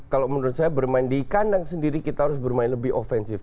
kalau menurut saya bermain di kandang sendiri kita harus bermain lebih offensif